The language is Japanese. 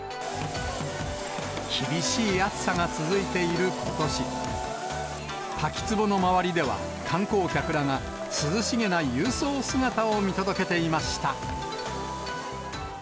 厳しい暑さが続いていることし、滝つぼの周りでは、観光客らが涼しげな勇壮姿を見届けていました。